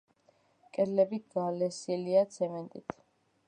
კედლები გალესილია ცემენტით.